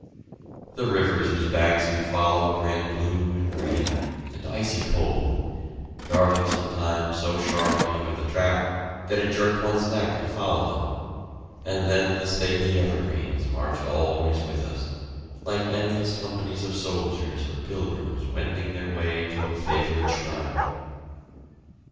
The rivers whose banks we followed ran blue and green, and icy cold, darting sometimes so sharply under the track that it jerked one's neck to follow them; and then the stately evergreens marched always with us, like endless companies of soldiers or pilgrims wending their way to a favorite shrine.